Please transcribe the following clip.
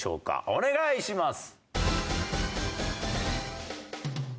お願いします！